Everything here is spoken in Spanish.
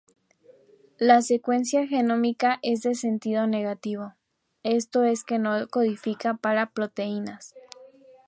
La secuencia genómica es de sentido negativo, esto es que no codifica para proteínas.